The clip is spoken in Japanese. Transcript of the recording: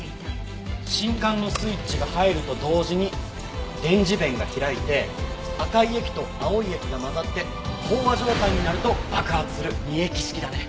信管のスイッチが入ると同時に電磁弁が開いて赤い液と青い液が混ざって飽和状態になると爆発する二液式だね。